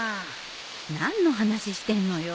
何の話してんのよ。